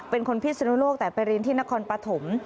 เป็นคนพิศนุโลกแต่ไปเรียนที่นครปฐม